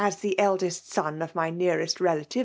the eldest son of my nearest relative.